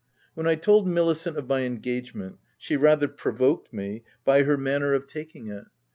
When I told Milicent of my engagement, she rather provoked me by her manner of taking 20 THE TENANT it.